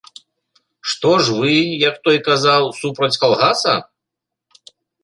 Што ж вы, як той казаў, супраць калгаса?